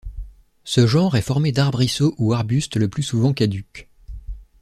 Ce genre est formé d'arbrisseaux ou arbustes le plus souvent caducs.